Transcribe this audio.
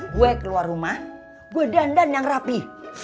gue keluar rumah gue dandan yang rapi